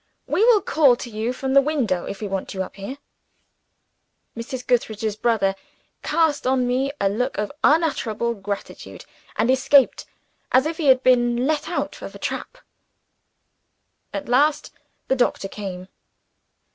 "We will call to you from the window, if we want you up here." Mrs. Gootheridge's brother cast on me one look of unutterable gratitude and escaped, as if he had been let out of a trap. At last, the doctor came.